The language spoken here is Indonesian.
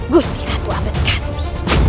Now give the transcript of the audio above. gusti ratu ambedkasi